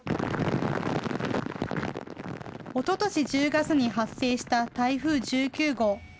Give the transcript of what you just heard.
おととし１０月に発生した台風１９号。